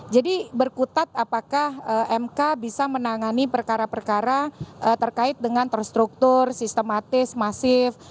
jadi berkutat apakah mk bisa menangani perkara perkara terkait dengan terstruktur sistematis masif